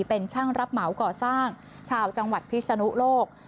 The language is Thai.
เป็นช่างรับเหมาก่อสร้างชาวจังหวัดพิศนุโลก